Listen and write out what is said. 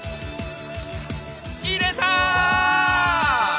入れた！